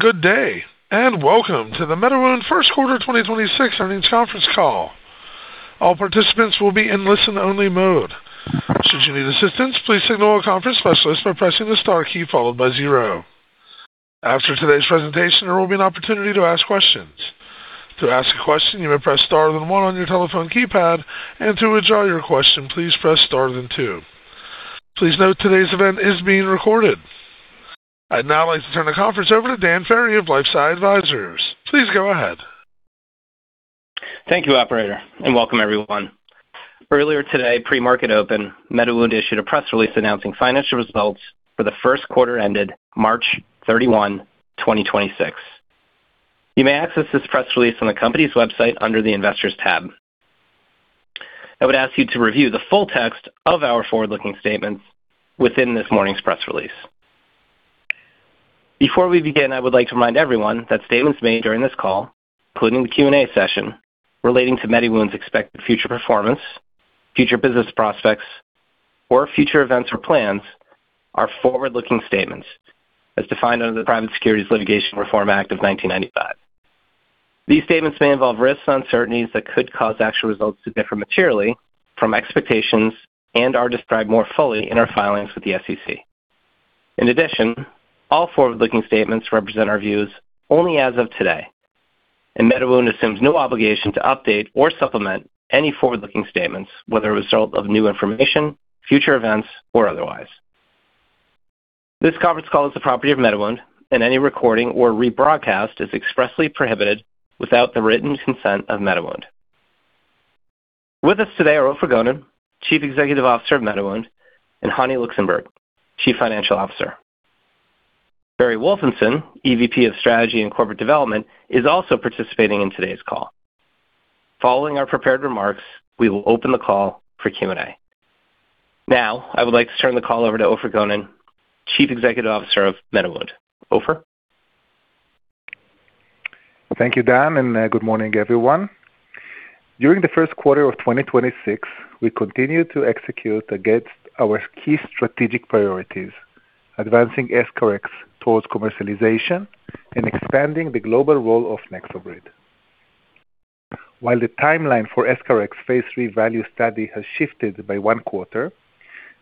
Good day, and welcome to the MediWound first quarter 2026 earnings conference call. I'd now like to turn the conference over to Dan Ferry of LifeSci Advisors. Please go ahead. Thank you, Operator, and welcome everyone. Earlier today, pre-market open, MediWound issued a press release announcing financial results for the first quarter ended March 31, 2026. You may access this press release on the company's website under the Investors tab. I would ask you to review the full text of our forward-looking statements within this morning's press release. Before we begin, I would like to remind everyone that statements made during this call, including the Q&A session, relating to MediWound's expected future performance, future business prospects, or future events or plans are forward-looking statements as defined under the Private Securities Litigation Reform Act of 1995. These statements may involve risks and uncertainties that could cause actual results to differ materially from expectations, and are described more fully in our filings with the SEC. In addition, all forward-looking statements represent our views only as of today, and MediWound assumes no obligation to update or supplement any forward-looking statements, whether a result of new information, future events, or otherwise. This conference call is the property of MediWound, and any recording or rebroadcast is expressly prohibited without the written consent of MediWound. With us today are Ofer Gonen, Chief Executive Officer of MediWound, and Hani Luxenburg, Chief Financial Officer. Barry Wolfenson, EVP of Strategy and Corporate Development, is also participating in today's call. Following our prepared remarks, we will open the call for Q&A. I would like to turn the call over to Ofer Gonen, Chief Executive Officer of MediWound. Ofer. Thank you, Dan, and good morning, everyone. During the first quarter of 2026, we continued to execute against our key strategic priorities, advancing EscharEx towards commercialization and expanding the global role of NexoBrid. While the timeline for EscharEx phase III VALUE study has shifted by one quarter,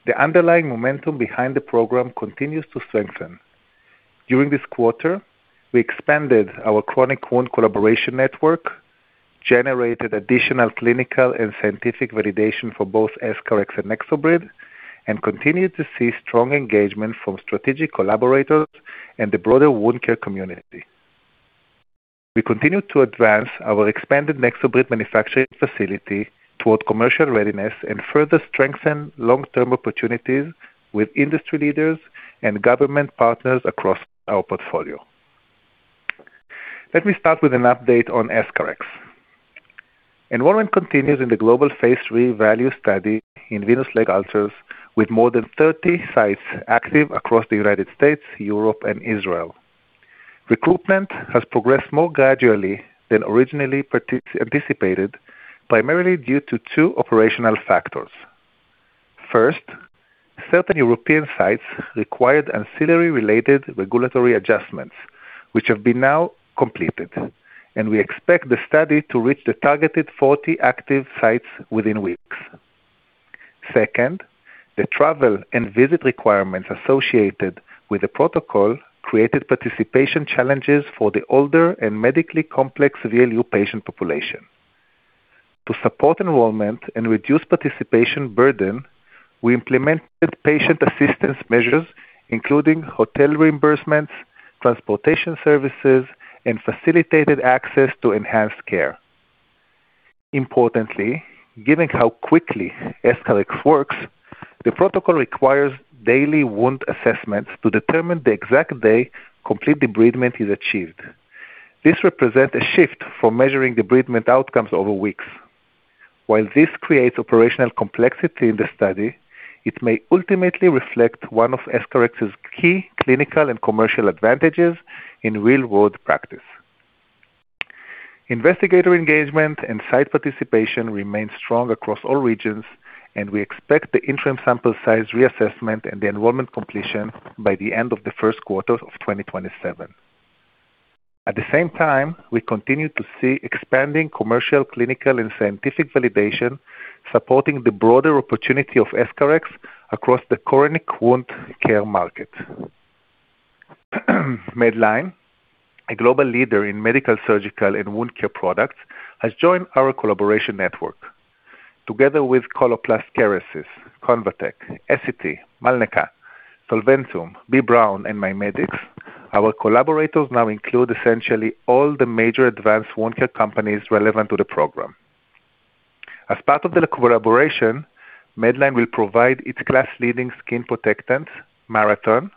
the underlying momentum behind the program continues to strengthen. During this quarter, we expanded our chronic wound collaboration network, generated additional clinical and scientific validation for both EscharEx and NexoBrid, and continued to see strong engagement from strategic collaborators and the broader wound care community. We continued to advance our expanded NexoBrid manufacturing facility toward commercial readiness and further strengthen long-term opportunities with industry leaders and government partners across our portfolio. Let me start with an update on EscharEx. Enrollment continues in the global phase III VALUE study in venous leg ulcers, with more than 30 sites active across the United States, Europe, and Israel. Recruitment has progressed more gradually than originally anticipated, primarily due to two operational factors. First, certain European sites required ancillary related regulatory adjustments, which have been now completed, and we expect the study to reach the targeted 40 active sites within weeks. Second, the travel and visit requirements associated with the protocol created participation challenges for the older and medically complex VLU patient population. To support enrollment and reduce participation burden, we implemented patient assistance measures, including hotel reimbursements, transportation services, and facilitated access to enhanced care. Importantly, given how quickly EscharEx works, the protocol requires daily wound assessments to determine the exact day complete debridement is achieved. This represents a shift for measuring debridement outcomes over weeks. While this creates operational complexity in the study, it may ultimately reflect one of EscharEx's key clinical and commercial advantages in real-world practice. We expect the interim sample size reassessment and the enrollment completion by the end of the first quarter of 2027. At the same time, we continue to see expanding commercial, clinical, and scientific validation supporting the broader opportunity of EscharEx across the chronic wound care market. Medline, a global leader in medical, surgical, and wound care products, has joined our collaboration network. Together with Coloplast/Kerecis, Convatec, Essity, Mölnlycke, Solventum, B. Braun, and MIMEDX, our collaborators now include essentially all the major advanced wound care companies relevant to the program. As part of the collaboration, Medline will provide its class-leading skin protectant, Marathon,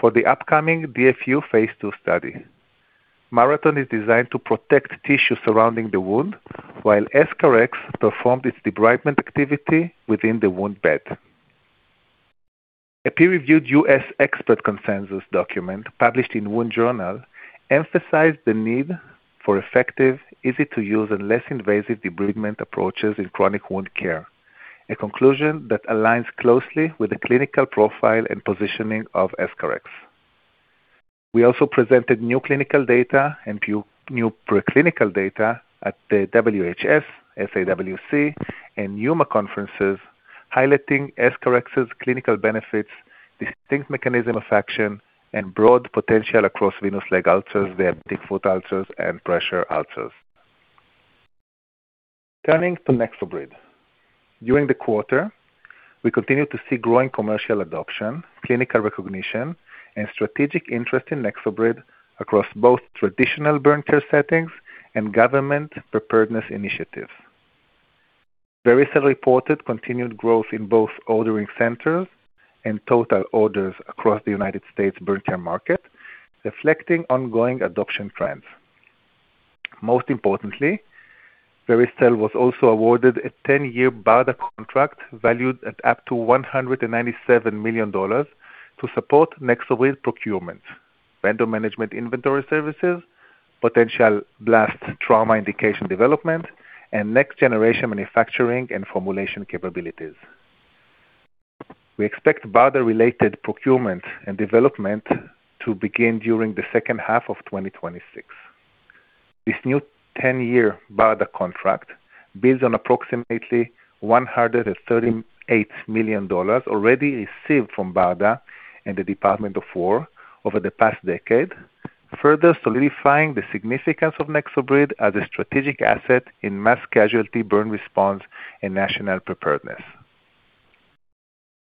for the upcoming DFU phase II study. Marathon is designed to protect tissue surrounding the wound while EscharEx performs its debridement activity within the wound bed. A peer-reviewed U.S. expert consensus document published in Wound Journal emphasized the need for effective, easy-to-use, and less invasive debridement approaches in chronic wound care. A conclusion that aligns closely with the clinical profile and positioning of EscharEx. We also presented new clinical data and new preclinical data at the WHS, FAWC, and UMAC conferences, highlighting EscharEx's clinical benefits, distinct mechanism of action, and broad potential across venous leg ulcers, diabetic foot ulcers, and pressure ulcers. Turning to NexoBrid. During the quarter, we continued to see growing commercial adoption, clinical recognition, and strategic interest in NexoBrid across both traditional burn care settings and government preparedness initiatives. Vericel reported continued growth in both ordering centers and total orders across the U.S. burn care market, reflecting ongoing adoption trends. Most importantly, Vericel was also awarded a 10-year BARDA contract valued at up to $197 million to support NexoBrid procurement, vendor management inventory services, potential blast trauma indication development, and next-generation manufacturing and formulation capabilities. We expect BARDA-related procurement and development to begin during the second half of 2026. This new 10-year BARDA contract builds on approximately $138 million already received from BARDA and the Department of Defense over the past decade, further solidifying the significance of NexoBrid as a strategic asset in mass casualty burn response and national preparedness.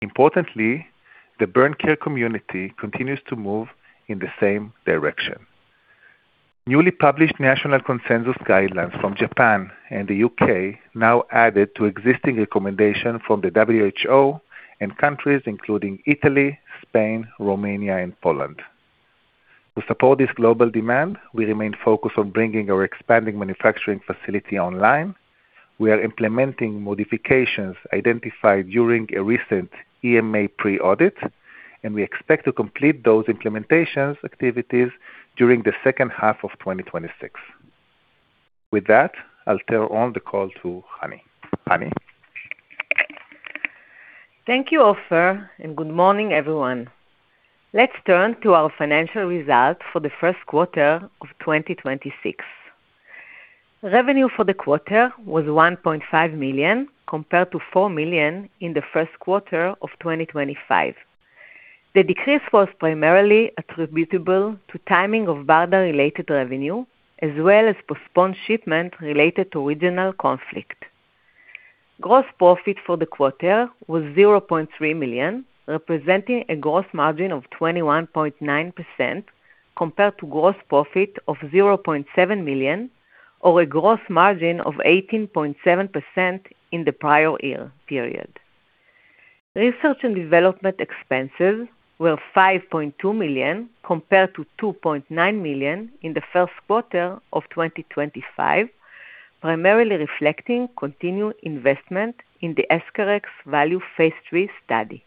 Importantly, the burn care community continues to move in the same direction. Newly published national consensus guidelines from Japan and the U.K. now added to existing recommendation from the WHO in countries including Italy, Spain, Romania, and Poland. To support this global demand, we remain focused on bringing our expanding manufacturing facility online. We are implementing modifications identified during a recent EMA pre-audit. We expect to complete those implementation activities during the second half of 2026. With that, I'll turn on the call to Hani. Hani? Thank you, Ofer, and good morning, everyone. Let's turn to our financial results for the first quarter of 2026. Revenue for the quarter was $1.5 million compared to $4 million in the first quarter of 2025. The decrease was primarily attributable to timing of BARDA-related revenue, as well as postponed shipment related to regional conflict. Gross profit for the quarter was $0.3 million, representing a gross margin of 21.9%, compared to gross profit of $0.7 million or a gross margin of 18.7% in the prior year period. Research and development expenses were $5.2 million compared to $2.9 million in the first quarter of 2025, primarily reflecting continued investment in the EscharEx VALUE phase III study.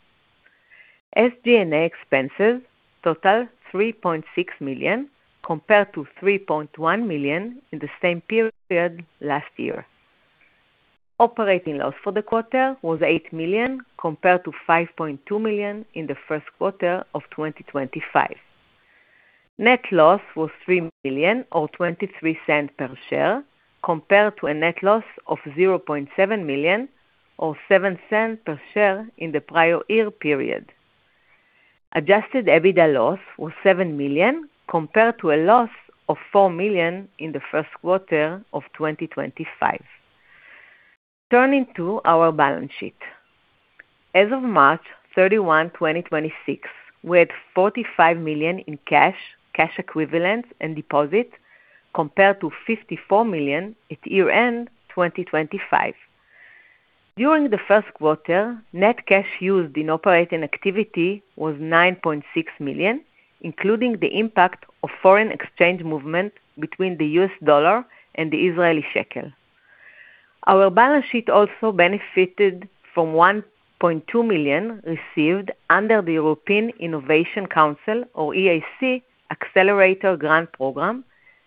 SG&A expenses totaled $3.6 million compared to $3.1 million in the same period last year. Operating loss for the quarter was $8 million, compared to $5.2 million in the first quarter of 2025. Net loss was $3 million, or $0.23 per share, compared to a net loss of $0.7 million or $0.07 per share in the prior year period. Adjusted EBITDA loss was $7 million, compared to a loss of $4 million in the first quarter of 2025. Turning to our balance sheet. As of March 31, 2026, we had $45 million in cash equivalents, and deposits, compared to $54 million at year-end 2025. During the first quarter, net cash used in operating activity was $9.6 million, including the impact of foreign exchange movement between the U.S. dollar and the Israeli shekel. Our balance sheet also benefited from $1.2 million received under the European Innovation Council, or EIC, Accelerator Grant Program,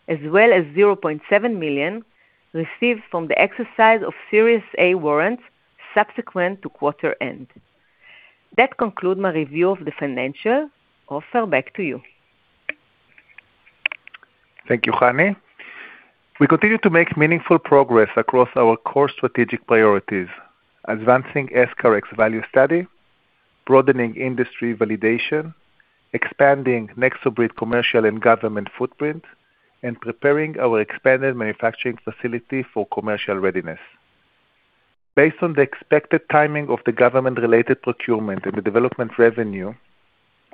as well as $0.7 million received from the exercise of Series A warrants subsequent to quarter end. That concludes my review of the financials. Ofer, back to you. Thank you, Hani. We continue to make meaningful progress across our core strategic priorities: advancing EscharEx VALUE study, broadening industry validation, expanding NexoBrid commercial and government footprint, and preparing our expanded manufacturing facility for commercial readiness. Based on the expected timing of the government-related procurement and the development revenue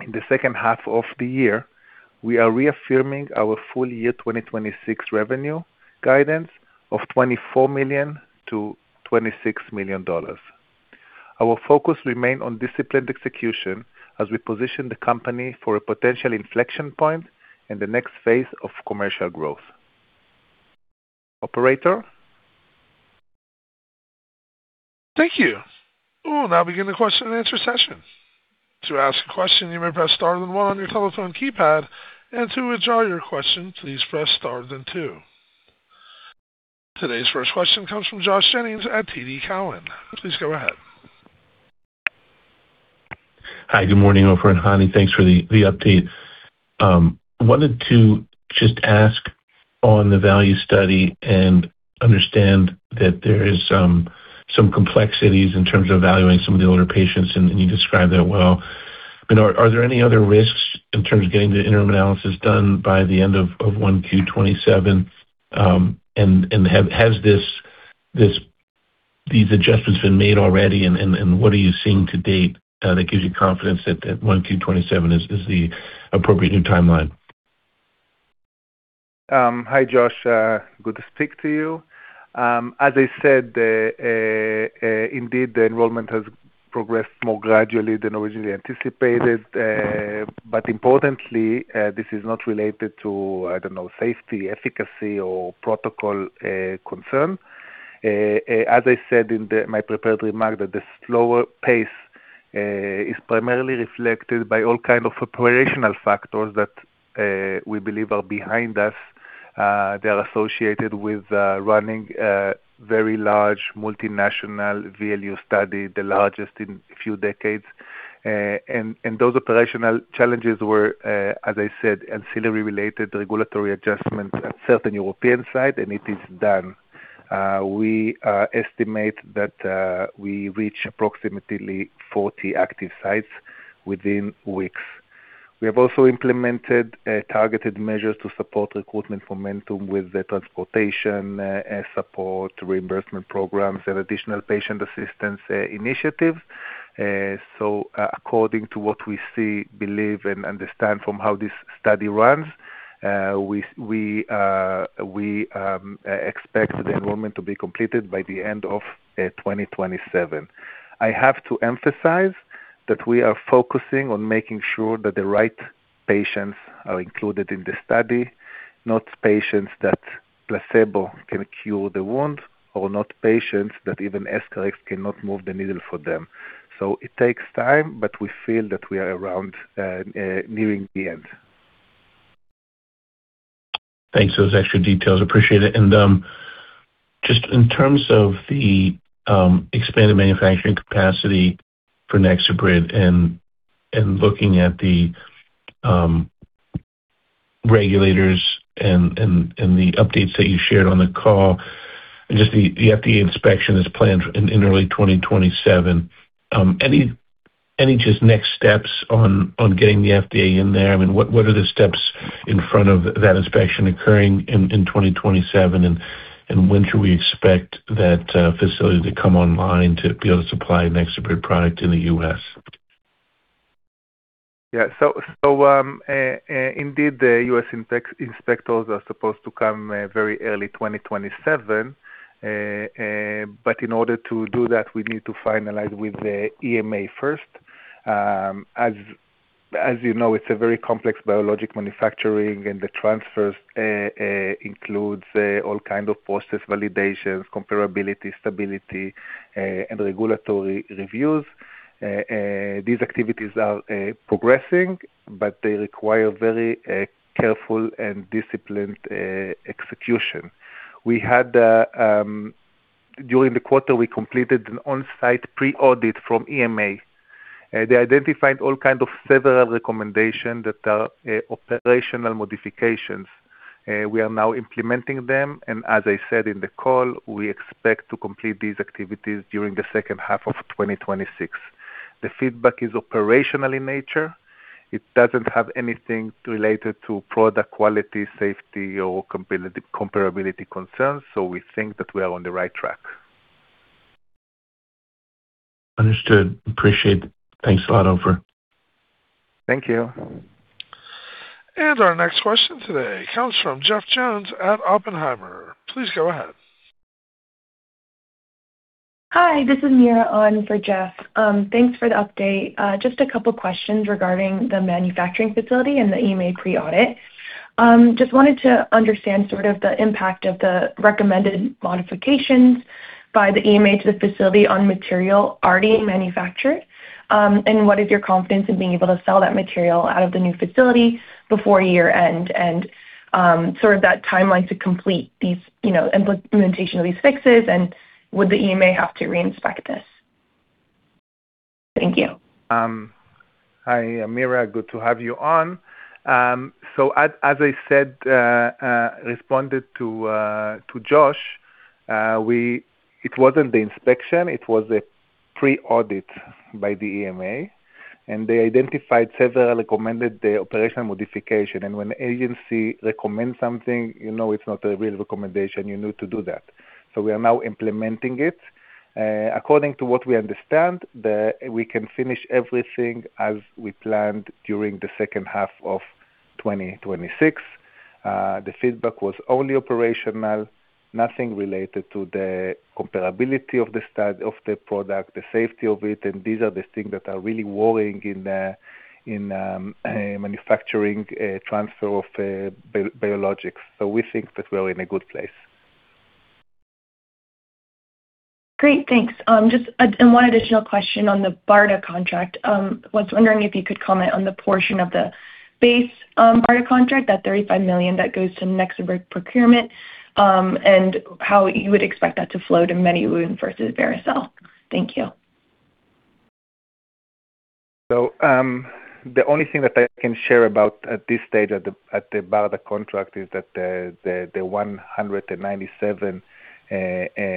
in the second half of the year, we are reaffirming our full year 2026 revenue guidance of $24 million to $26 million. Our focus remains on disciplined execution as we position the company for a potential inflection point in the next phase of commercial growth. Operator? Thank you. We'll now begin the question and answer session. To ask a question, you may press star then one on your telephone keypad, and to withdraw your question, please press star then two. Today's first question comes from Josh Jennings at TD Cowen. Please go ahead. Hi, good morning, Ofer and Hani. Thanks for the update. I wanted to just ask on the VALUE study and understand that there is some complexities in terms of evaluating some of the older patients, and you described that well. Are there any other risks in terms of getting the interim analysis done by the end of 1Q27? Has these adjustments been made already, and what are you seeing to date that gives you confidence that 1Q27 is the appropriate new timeline? Hi, Josh. Good to speak to you. As I said, indeed, the enrollment has progressed more gradually than originally anticipated. Importantly, this is not related to, I don't know, safety, efficacy or protocol concern. As I said in my prepared remark, that the slower pace is primarily reflected by all kind of operational factors that we believe are behind us. They are associated with running a very large multinational VLU study, the largest in a few decades. Those operational challenges were, as I said, ancillary-related regulatory adjustments at certain European site, it is done. We estimate that we reach approximately 40 active sites within weeks. We have also implemented targeted measures to support recruitment momentum with the transportation support, reimbursement programs, and additional patient assistance initiatives. According to what we see, believe, and understand from how this study runs, we expect the enrollment to be completed by the end of 2027. I have to emphasize that we are focusing on making sure that the right patients are included in the study, not patients that placebo can cure the wound or not patients that even EscharEx cannot move the needle for them. It takes time, but we feel that we are around nearing the end. Thanks for those extra details. Appreciate it. Just in terms of the expanded manufacturing capacity for NexoBrid and looking at the regulators and the updates that you shared on the call, the FDA inspection is planned in early 2027. Any just next steps on getting the FDA in there? I mean, what are the steps in front of that inspection occurring in 2027 and when should we expect that facility to come online to be able to supply NexoBrid product in the U.S.? Yeah. Indeed, the U.S. inspectors are supposed to come very early 2027. In order to do that, we need to finalize with the EMA first. As you know, it's a very complex biologic manufacturing, and the transfers includes all kind of process validations, comparability, stability, and regulatory reviews. These activities are progressing, but they require very careful and disciplined execution. During the quarter, we completed an on-site pre-audit from EMA. They identified all kind of several recommendations that are operational modifications. We are now implementing them, and as I said in the call, we expect to complete these activities during the second half of 2026. The feedback is operational in nature. It doesn't have anything related to product quality, safety or comparability concerns. We think that we are on the right track. Understood. Appreciate it. Thanks a lot, Ofer. Thank you. Our next question today comes from Jeff Jones at Oppenheimer. Please go ahead. Hi, this is Mira on for Jeff. Thanks for the update. Just a couple questions regarding the manufacturing facility and the EMA pre-audit. Just wanted to understand sort of the impact of the recommended modifications by the EMA to the facility on material already manufactured. What is your confidence in being able to sell that material out of the new facility before year-end and sort of that timeline to complete these implementation of these fixes, and would the EMA have to reinspect this? Thank you. Hi, Mira. Good to have you on. As I said, responded to Josh, it wasn't the inspection, it was a pre-audit by the EMA, and they identified several recommended operational modification. When agency recommends something, you know it's not a real recommendation, you need to do that. We are now implementing it. According to what we understand, we can finish everything as we planned during the second half of 2026. The feedback was only operational, nothing related to the comparability of the product, the safety of it, and these are the things that are really worrying in manufacturing transfer of biologics. We think that we're in a good place. Great. Thanks. Just one additional question on the BARDA contract. Was wondering if you could comment on the portion of the base BARDA contract, that $35 million that goes to NexoBrid procurement, and how you would expect that to flow to MediWound versus Vericel. Thank you. The only thing that I can share about at this stage at the BARDA contract is that the $197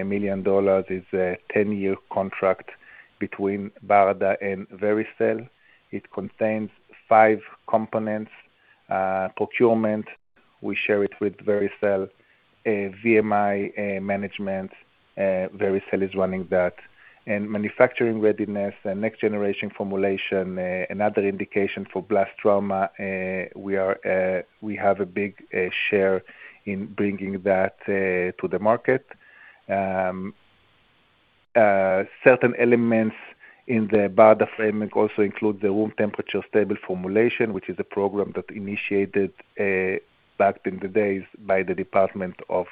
million is a 10-year contract between BARDA and Vericel. It contains five components. Procurement, we share it with Vericel. VMI management, Vericel is running that. Manufacturing readiness, next generation formulation, another indication for blast trauma, we have a big share in bringing that to the market. Certain elements in the BARDA framework also include the room temperature-stable formulation, which is a program that initiated back in the days by the Department of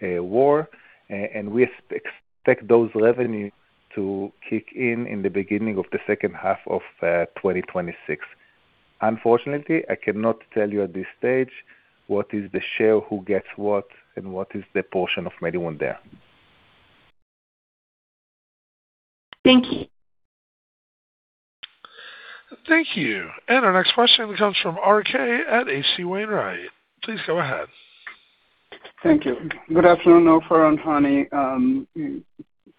Defense. We expect those revenues to kick in the beginning of the second half of 2026. Unfortunately, I cannot tell you at this stage what is the share, who gets what, and what is the portion of MediWound there. Thank you. Thank you. Our next question comes from RK at H.C. Wainwright. Please go ahead. Thank you. Good afternoon, Ofer and Hani.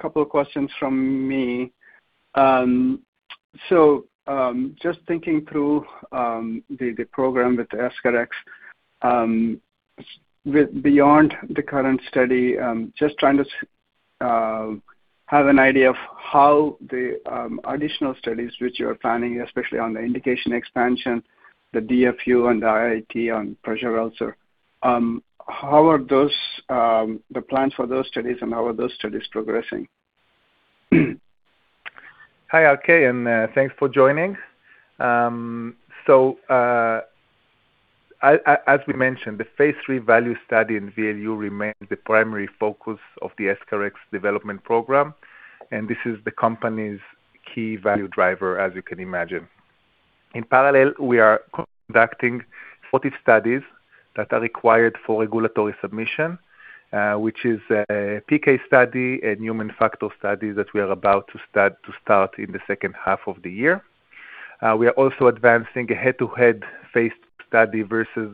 Couple of questions from me. Just thinking through the program with EscharEx. Beyond the current study, just trying to have an idea of how the additional studies which you're planning, especially on the indication expansion, the DFU and the IIT on pressure ulcer, how are the plans for those studies, and how are those studies progressing? Hi, RK, and thanks for joining. As we mentioned, the phase III VALUE study in VLU remains the primary focus of the EscharEx development program, and this is the company's key value driver, as you can imagine. In parallel, we are conducting supportive studies that are required for regulatory submission, which is a PK study and Human Factor study that we are about to start in the second half of the year. We are also advancing a head-to-head phase study versus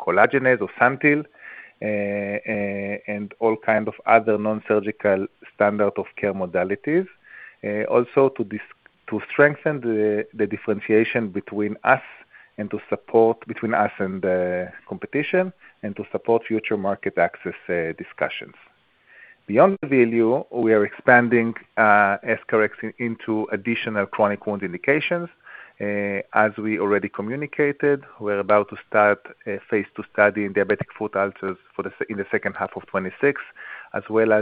collagenase or SANTYL, and all kind of other non-surgical standard of care modalities. To strengthen the differentiation between us and the competition, and to support future market access discussions. Beyond the value, we are expanding EscharEx into additional chronic wound indications. As we already communicated, we're about to start a phase II study in diabetic foot ulcers in the second half of 2026, as well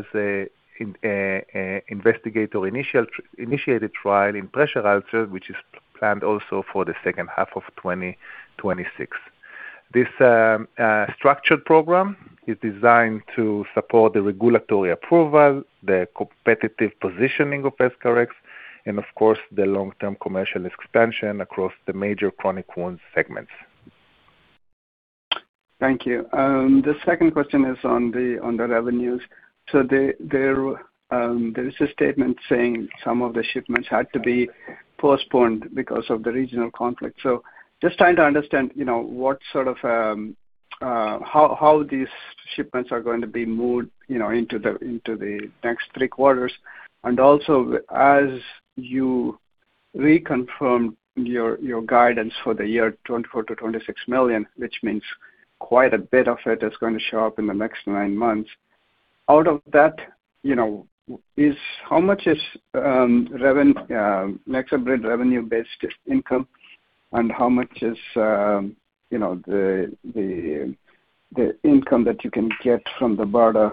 as investigator-initiated trial in pressure ulcers, which is planned also for the second half of 2026. This structured program is designed to support the regulatory approval, the competitive positioning of EscharEx, and of course, the long-term commercial expansion across the major chronic wounds segments. Thank you. The second question is on the revenues. There is a statement saying some of the shipments had to be postponed because of the regional conflict. Just trying to understand how these shipments are going to be moved into the next three quarters. Also, as you reconfirmed your guidance for the year, $24 million to $26 million, which means quite a bit of it is going to show up in the next nine months. Out of that, how much is NexoBrid revenue-based income, and how much is the income that you can get from the BARDA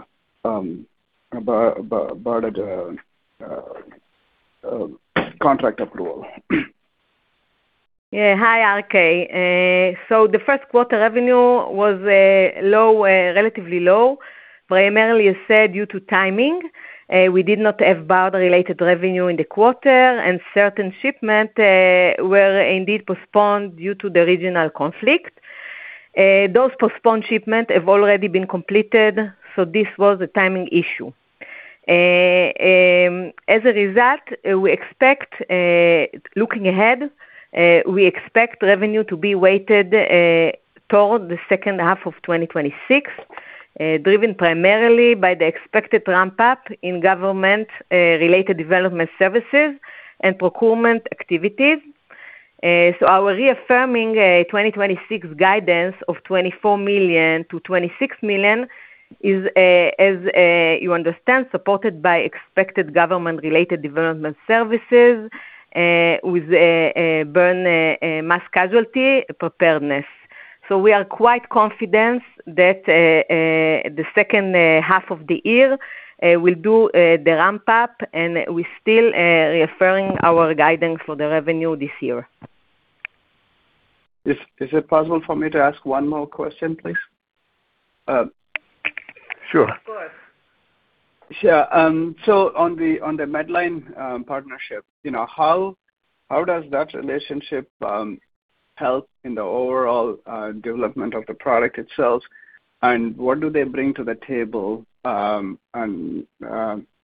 contract approval? Hi, RK. The first quarter revenue was relatively low, primarily, as said, due to timing. We did not have BARDA-related revenue in the quarter, and certain shipments were indeed postponed due to the regional conflict. Those postponed shipments have already been completed, so this was a timing issue. As a result, looking ahead, we expect revenue to be weighted toward the second half of 2026, driven primarily by the expected ramp-up in government-related development services and procurement activities. Our reaffirming 2026 guidance of $24 million to $26 million is, as you understand, supported by expected government-related development services with burn mass casualty preparedness. We are quite confident that the second half of the year will do the ramp-up, and we're still reaffirming our guidance for the revenue this year. Is it possible for me to ask one more question, please? Sure. Of course. Yeah. On the Medline partnership, how does that relationship help in the overall development of the product itself, and what do they bring to the table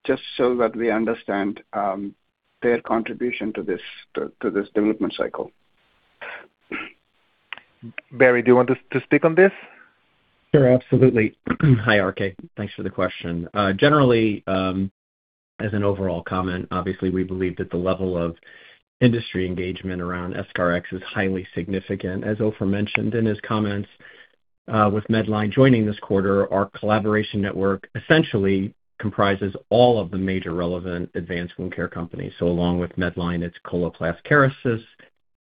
just so that we understand their contribution to this development cycle? Barry, do you want to speak on this? Sure. Absolutely. Hi, RK. Thanks for the question. Generally, as an overall comment, obviously, we believe that the level of industry engagement around EscharEx is highly significant, as Ofer mentioned in his comments. With Medline joining this quarter, our collaboration network essentially comprises all of the major relevant advanced wound care companies. Along with Medline, it's Coloplast/Kerecis,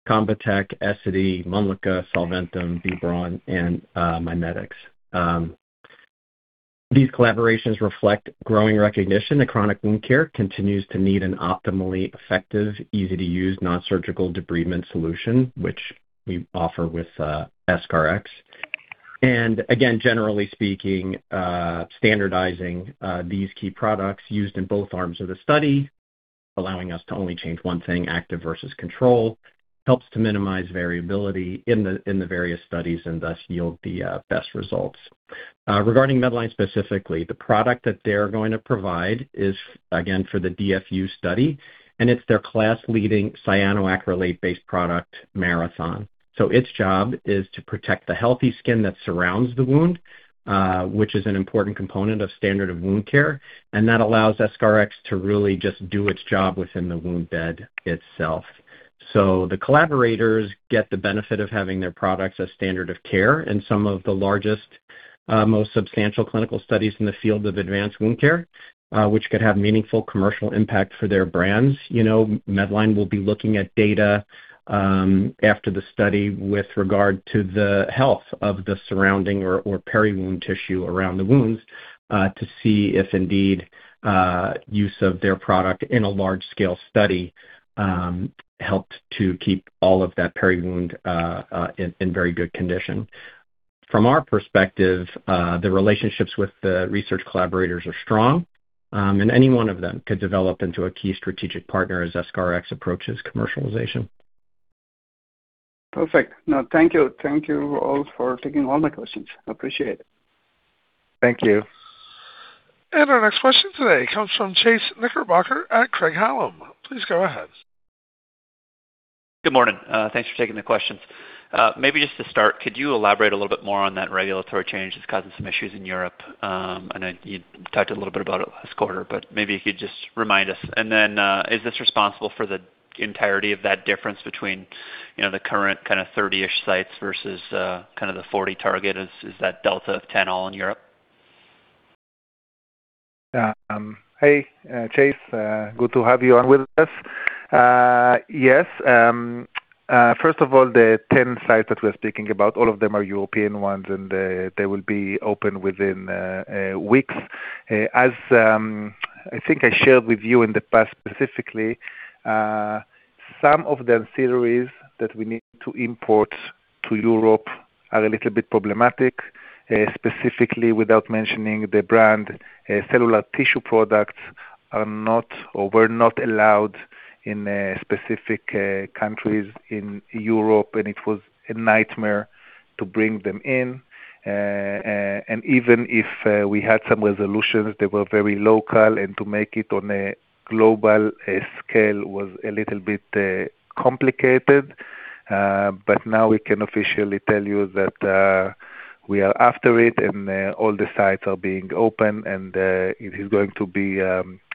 Convatec, Essity, Mölnlycke, Solventum, B. Braun, and MIMEDX. These collaborations reflect growing recognition that chronic wound care continues to need an optimally effective, easy-to-use, non-surgical debridement solution, which we offer with EscharEx. Again, generally speaking, standardizing these key products used in both arms of the study, allowing us to only change one thing, active versus control, helps to minimize variability in the various studies and thus yield the best results. Regarding Medline specifically, the product that they're going to provide is, again, for the DFU study, and it's their class-leading cyanoacrylate-based product, Marathon. Its job is to protect the healthy skin that surrounds the wound, which is an important component of standard wound care, and that allows EscharEx to really just do its job within the wound bed itself. The collaborators get the benefit of having their products as standard of care in some of the largest, most substantial clinical studies in the field of advanced wound care, which could have meaningful commercial impact for their brands. Medline will be looking at data after the study with regard to the health of the surrounding or peri-wound tissue around the wounds to see if indeed use of their product in a large-scale study helped to keep all of that peri-wound in very good condition. From our perspective, the relationships with the research collaborators are strong, and any one of them could develop into a key strategic partner as EscharEx approaches commercialization. Perfect. No, thank you. Thank you all for taking all my questions. Appreciate it. Thank you. Our next question today comes from Chase Knickerbocker at Craig-Hallum. Please go ahead. Good morning. Thanks for taking the questions. Maybe just to start, could you elaborate a little bit more on that regulatory change that's causing some issues in Europe? I know you talked a little bit about it last quarter, maybe you could just remind us. Is this responsible for the entirety of that difference between the current kind of 30-ish sites versus kind of the 40 target? Is that delta of 10 all in Europe? Hey, Chase. Good to have you on with us. Yes. First of all, the 10 sites that we're speaking about, all of them are European ones, and they will be open within weeks. As I think I shared with you in the past, specifically, some of the ancillaries that we need to import to Europe are a little bit problematic, specifically, without mentioning the brand, cellular tissue products are not or were not allowed in specific countries in Europe, and it was a nightmare to bring them in. Even if we had some resolutions, they were very local, and to make it on a global scale was a little bit complicated. Now we can officially tell you that we are after it, and all the sites are being opened, and it is going to be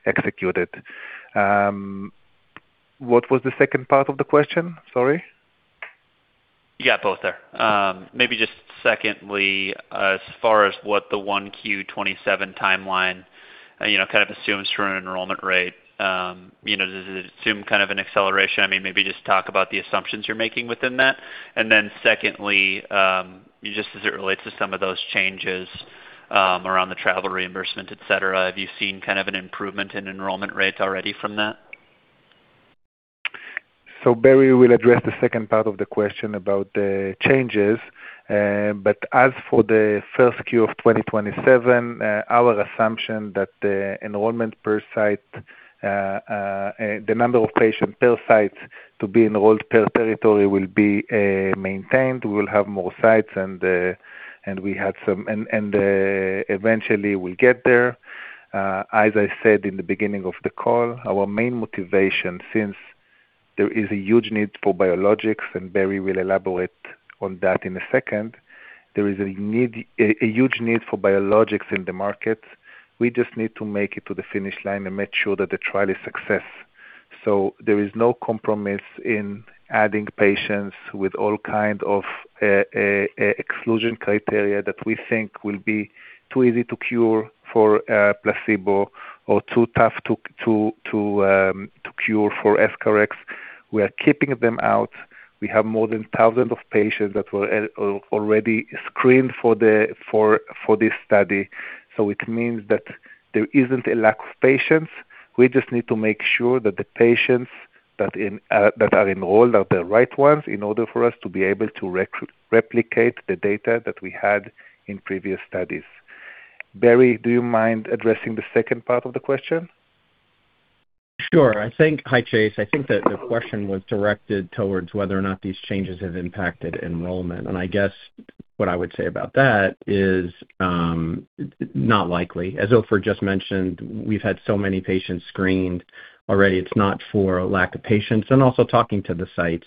executed. What was the second part of the question? Sorry. Yeah, both there. Just secondly, as far as what the 1Q 2027 timeline kind of assumes for an enrollment rate. Does it assume kind of an acceleration? Just talk about the assumptions you're making within that. Secondly, just as it relates to some of those changes around the travel reimbursement, et cetera, have you seen kind of an improvement in enrollment rates already from that? Barry will address the second part of the question about the changes. As for the first Q of 2027, our assumption that the enrollment per site, the number of patients per site to be enrolled per territory will be maintained. We'll have more sites, and eventually we'll get there. As I said in the beginning of the call, our main motivation, since there is a huge need for biologics, and Barry will elaborate on that in a second. There is a huge need for biologics in the market. We just need to make it to the finish line and make sure that the trial is a success. There is no compromise in adding patients with all kind of exclusion criteria that we think will be too easy to cure for a placebo or too tough to cure for EscharEx. We are keeping them out. We have more than thousands of patients that were already screened for this study. It means that there isn't a lack of patients. We just need to make sure that the patients that are enrolled are the right ones in order for us to be able to replicate the data that we had in previous studies. Barry, do you mind addressing the second part of the question? Sure. Hi, Chase. I think that the question was directed towards whether or not these changes have impacted enrollment. I guess what I would say about that is, not likely. As Ofer just mentioned, we've had so many patients screened already, it's not for lack of patients. Also talking to the sites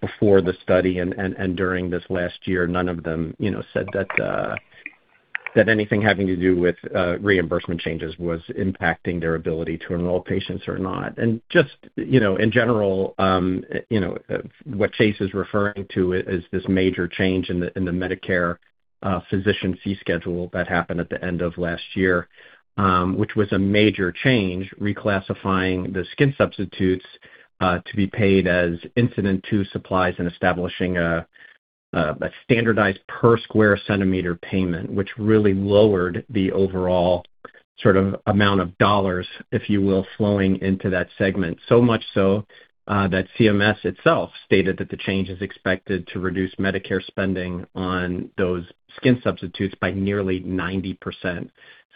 before the study and during this last year, none of them said that anything having to do with reimbursement changes was impacting their ability to enroll patients or not. Just in general, what Chase is referring to is this major change in the Medicare Physician Fee Schedule that happened at the end of last year, which was a major change reclassifying the skin substitutes to be paid as incident to supplies and establishing a standardized per square centimeter payment, which really lowered the overall amount of dollars, if you will, flowing into that segment. Much so that CMS itself stated that the change is expected to reduce Medicare spending on those skin substitutes by nearly 90%.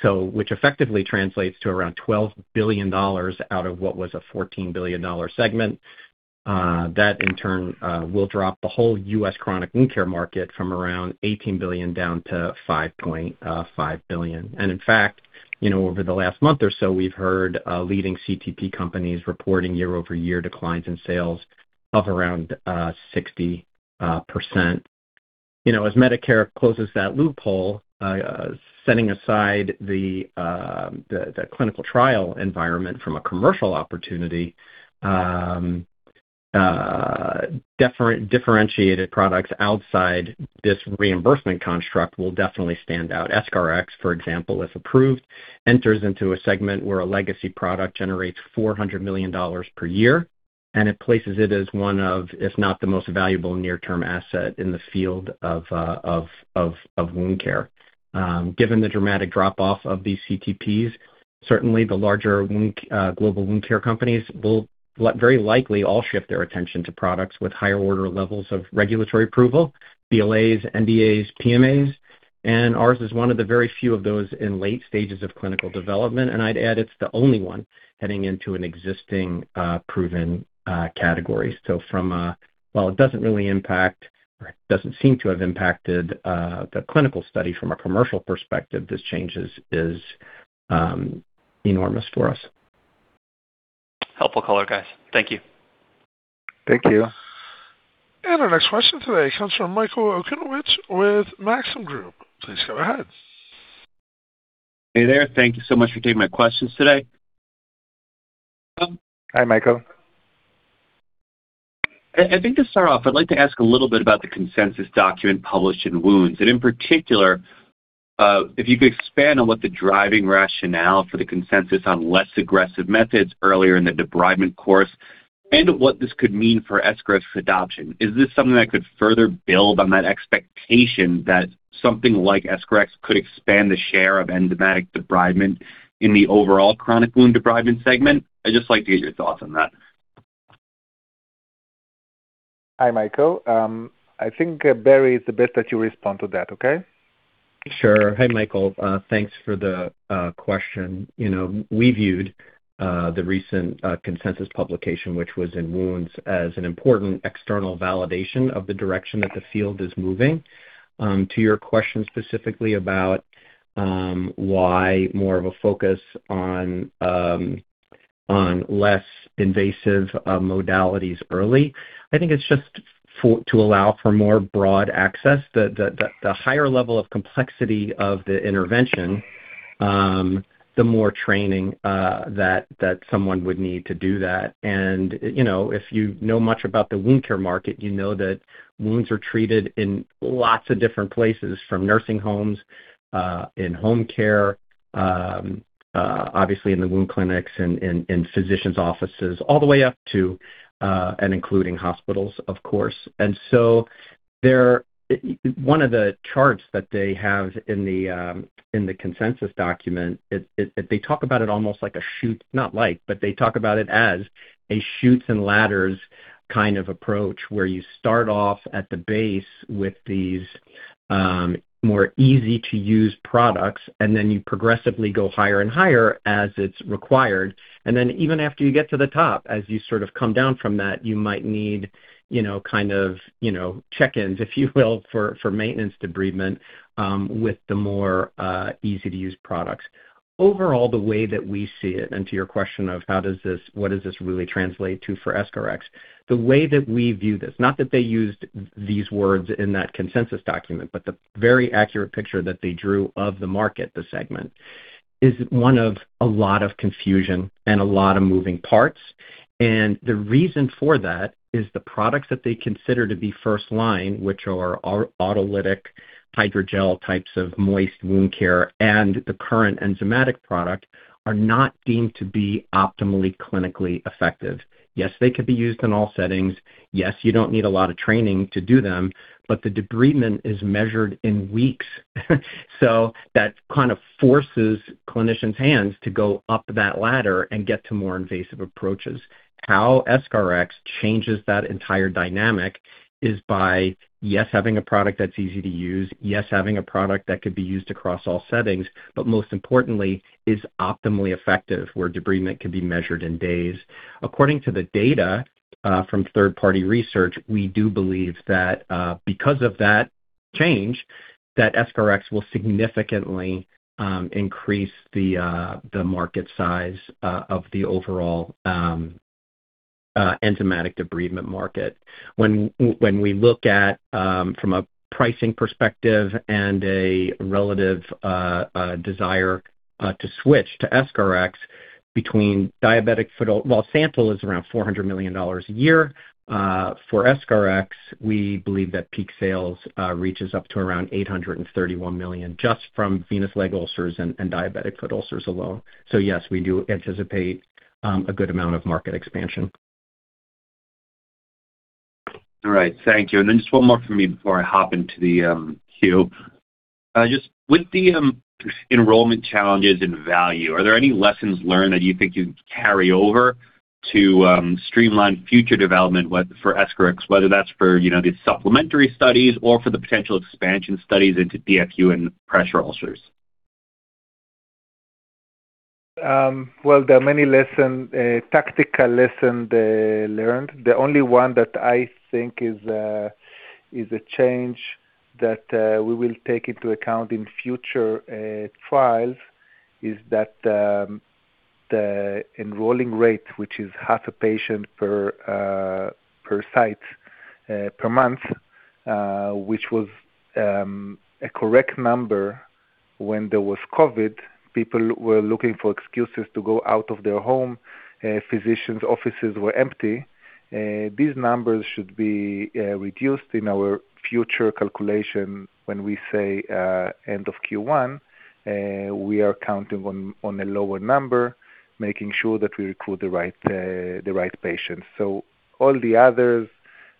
Which effectively translates to around $12 billion out of what was a $14 billion segment. That in turn will drop the whole U.S. chronic wound care market from around $18 billion down to $5.5 billion. In fact, over the last month or so, we've heard leading CTP companies reporting year-over-year declines in sales of around 60%. As Medicare closes that loophole, setting aside the clinical trial environment from a commercial opportunity, differentiated products outside this reimbursement construct will definitely stand out. EscharEx, for example, if approved, enters into a segment where a legacy product generates $400 million per year, and it places it as one of, if not the most valuable near-term asset in the field of wound care. Given the dramatic drop-off of these CTPs, certainly the larger global wound care companies will very likely all shift their attention to products with higher order levels of regulatory approval, BLAs, NDAs, PMAs. Ours is one of the very few of those in late stages of clinical development, and I'd add it's the only one heading into an existing proven category. While it doesn't really impact or doesn't seem to have impacted the clinical study from a commercial perspective, this change is enormous for us. Helpful color, guys. Thank you. Thank you. Our next question today comes from Michael Okunewitch with Maxim Group. Please go ahead. Hey there. Thank you so much for taking my questions today. Hi, Michael. I think to start off, I'd like to ask a little bit about the consensus document published in "Wounds," and in particular, if you could expand on what the driving rationale for the consensus on less aggressive methods earlier in the debridement course and what this could mean for EscharEx adoption. Is this something that could further build on that expectation that something like EscharEx could expand the share of enzymatic debridement in the overall chronic wound debridement segment? I'd just like to get your thoughts on that. Hi, Michael. I think, Barry, it's best that you respond to that, okay? Sure. Hi, Michael. Thanks for the question. We viewed the recent consensus publication, which was in "Wounds" as an important external validation of the direction that the field is moving. To your question specifically about why more of a focus on less invasive modalities early, I think it's just to allow for more broad access. The higher level of complexity of the intervention, the more training that someone would need to do that. If you know much about the wound care market, you know that wounds are treated in lots of different places, from nursing homes, in home care, obviously in the wound clinics and physician's offices, all the way up to and including hospitals, of course. One of the charts that they have in the consensus document, they talk about it as a Chutes and Ladders kind of approach, where you start off at the base with these more easy-to-use products, then you progressively go higher and higher as it's required. Even after you get to the top, as you sort of come down from that, you might need check-ins, if you will, for maintenance debridement with the more easy-to-use products. Overall, the way that we see it, and to your question of what does this really translate to for EscharEx? The way that we view this, not that they used these words in that consensus document, but the very accurate picture that they drew of the market, the segment, is one of a lot of confusion and a lot of moving parts. The reason for that is the products that they consider to be first line, which are autolytic hydrogel types of moist wound care and the current enzymatic product, are not deemed to be optimally clinically effective. Yes, they could be used in all settings. Yes, you don't need a lot of training to do them, but the debridement is measured in weeks. That kind of forces clinicians' hands to go up that ladder and get to more invasive approaches. How EscharEx changes that entire dynamic is by, yes, having a product that's easy to use, yes, having a product that could be used across all settings, but most importantly, is optimally effective, where debridement can be measured in days. According to the data from third-party research, we do believe that because of that change that EscharEx will significantly increase the market size of the overall enzymatic debridement market. When we look at from a pricing perspective and a relative desire to switch to EscharEx between diabetic foot ulcers, while SANTYL is around $400 million a year, for EscharEx, we believe that peak sales reaches up to around $831 million just from venous leg ulcers and diabetic foot ulcers alone. Yes, we do anticipate a good amount of market expansion. All right. Thank you. Just one more from me before I hop into the queue. Just with the enrollment challenges in VALUE, are there any lessons learned that you think you can carry over to streamline future development for EscharEx, whether that's for these supplementary studies or for the potential expansion studies into DFU and pressure ulcers? Well, there are many tactical lessons learned. The only one that I think is a change that we will take into account in future trials is that, the enrolling rate, which is half a patient per site per month, which was a correct number when there was COVID, people were looking for excuses to go out of their home, physicians' offices were empty. These numbers should be reduced in our future calculation when we say end of Q1, we are counting on a lower number, making sure that we recruit the right patients. All the others,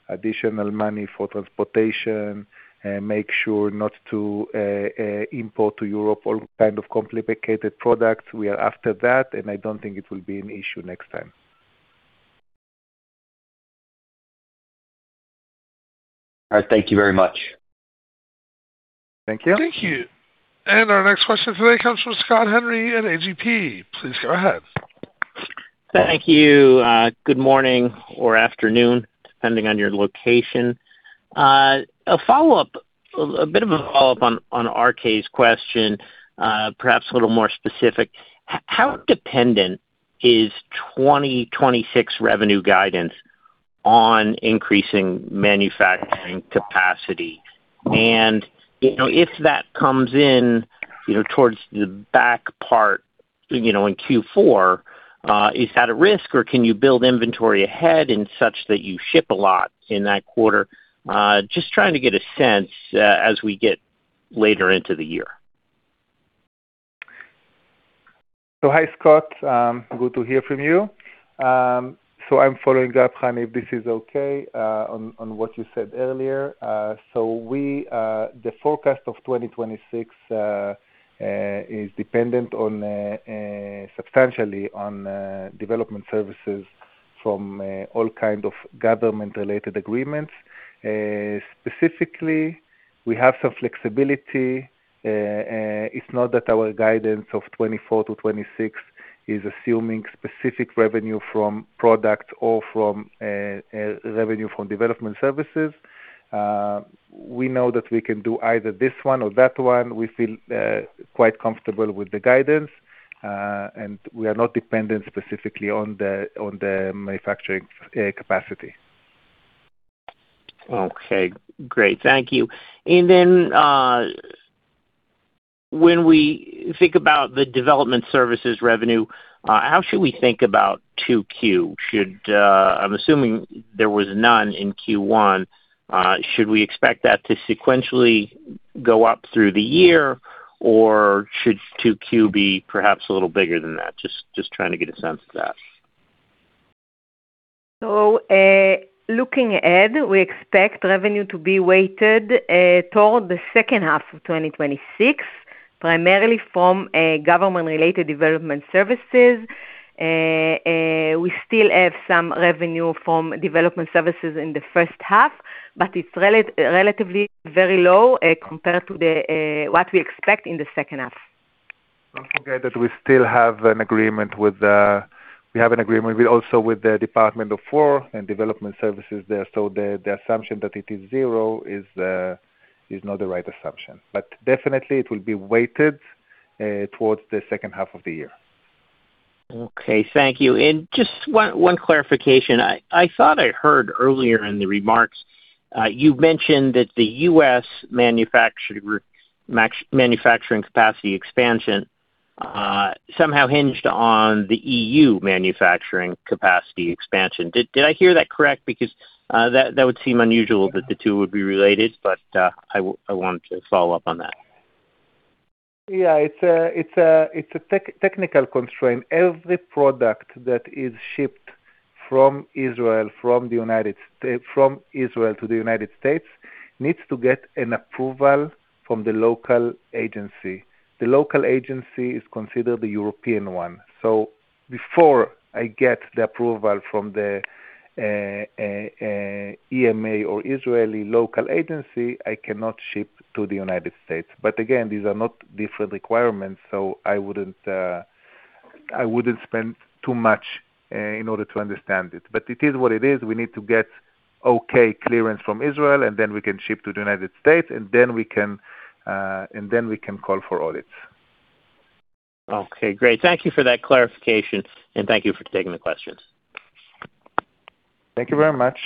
additional money for transportation, make sure not to import to Europe all kind of complicated products. We are after that, and I don't think it will be an issue next time. All right. Thank you very much. Thank you. Thank you. Our next question today comes from Scott Henry at AGP. Please go ahead. Thank you. Good morning or afternoon, depending on your location. A bit of a follow-up on RK's question, perhaps a little more specific. How dependent is 2026 revenue guidance on increasing manufacturing capacity? If that comes in towards the back part in Q4, is that a risk, or can you build inventory ahead in such that you ship a lot in that quarter? Just trying to get a sense as we get later into the year. Hi, Scott. Good to hear from you. I'm following up, Hani, if this is okay, on what you said earlier. The forecast of 2026 is dependent substantially on development services from all kind of government-related agreements. Specifically, we have some flexibility. It's not that our guidance of 2024 to 2026 is assuming specific revenue from product or from revenue from development services. We know that we can do either this one or that one. We feel quite comfortable with the guidance. We are not dependent specifically on the manufacturing capacity. Okay, great. Thank you. When we think about the development services revenue, how should we think about 2Q? I'm assuming there was none in Q1. Should we expect that to sequentially go up through the year, or should 2Q be perhaps a little bigger than that? Just trying to get a sense of that. Looking ahead, we expect revenue to be weighted toward the second half of 2026, primarily from government-related development services. We still have some revenue from development services in the first half, but it's relatively very low compared to what we expect in the second half. Don't forget that we have an agreement also with the Department of Defense and Development Services there, so the assumption that it is zero is not the right assumption. Definitely, it will be weighted towards the second half of the year. Okay, thank you. Just one clarification. I thought I heard earlier in the remarks, you mentioned that the U.S. manufacturing capacity expansion somehow hinged on the EU manufacturing capacity expansion. Did I hear that correct? That would seem unusual that the two would be related, but I want to follow up on that. Yeah, it's a technical constraint. Every product that is shipped from Israel to the United States needs to get an approval from the local agency. The local agency is considered the European one. Before I get the approval from the EMA or Israeli local agency, I cannot ship to the United States. Again, these are not different requirements, so I wouldn't spend too much in order to understand it. It is what it is. We need to get okay clearance from Israel, and then we can ship to the United States, and then we can call for audits. Okay, great. Thank you for that clarification, and thank you for taking the questions. Thank you very much.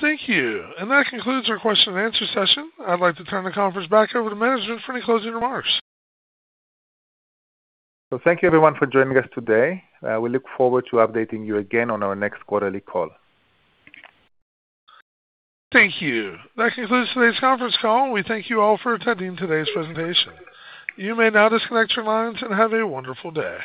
Thank you. That concludes our question and answer session. I'd like to turn the conference back over to management for any closing remarks. Thank you, everyone, for joining us today. We look forward to updating you again on our next quarterly call. Thank you. That concludes today's conference call. We thank you all for attending today's presentation. You may now disconnect your lines and have a wonderful day.